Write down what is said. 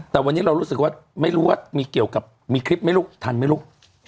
แต่วันนี้เรารู้สึกว่าไม่รู้ว่ามีเกี่ยวกับมีคลิปไหมลูกทันไหมลูก